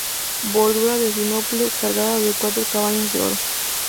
Bordura de sinople cargada de cuatro cabañas de oro.